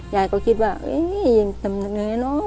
ยายก็คิดว่านี่ยังทำแบบนี้เนอะ